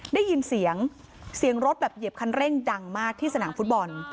ได้ยินเสียงเสียงรถแบบเหยียบคันเร่งดังมากที่สนามฟุตบอล